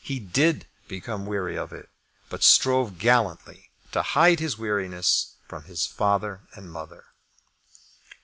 He did become weary of it, but strove gallantly to hide his weariness from his father and mother.